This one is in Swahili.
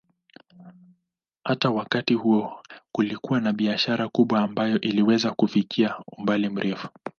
Hata wakati huo kulikuwa na biashara kubwa ambayo iliweza kufikia umbali mrefu.